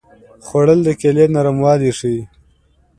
خوړل د کیلې نرموالی ښيي